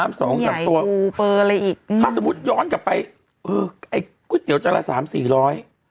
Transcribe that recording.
อะไรอีกถ้าสมมุติย้อนกลับไปคุ้ยเตี๋ยวจะละสามสี่ร้อย